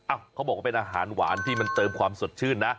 เขาบอกว่าเป็นอาหารหวานที่มันเติมความสดชื่นนะ